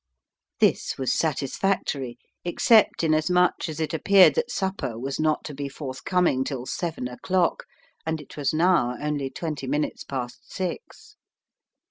This was satisfactory, except inasmuch as it appeared that supper was not to be forthcoming till seven o'clock, and it was now only twenty minutes past six.